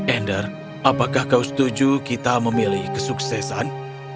ender apakah kau setuju kita memilih kesuksesan